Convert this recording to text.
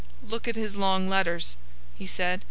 "Look at his long letters," he said.